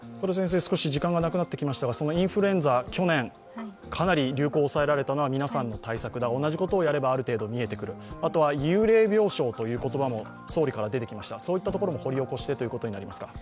そのインフルエンザ、去年、かなり流行が抑えられたのは皆さんの対策で同じことをやればある程度見えてくる、幽霊病床という言葉も総理から出てきました、そういったところも掘り起こしてということになりますか。